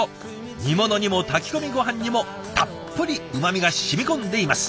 煮物にも炊き込みごはんにもたっぷりうまみがしみこんでいます。